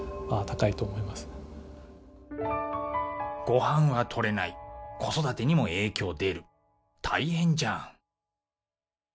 ごはんは取れない子育てにも影響出る大変じゃん。